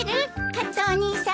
カツオお兄さま。